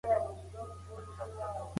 ولي د معلوماتو درک مهم دی؟